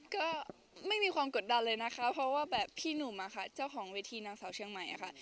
ก็ไม่มีความกดดันเลยนะคะเพราะว่าแบบพี่หนุ่มอะค่ะเจ้าของเวทีนางสาวเชียงใหม่ค่ะ